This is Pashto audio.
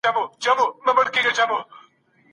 د زبير بن عوام رضي الله عنه اړوند ئې شکايت ورته وکړ.